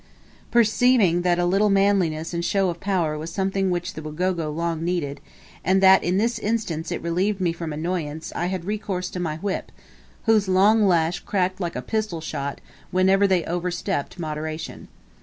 Perceiving that a little manliness and show of power was something which the Wagogo long needed, and that in this instance it relieved me from annoyance, I had recourse to my whip, whose long lash cracked like a pistol shot, whenever they overstepped moderation.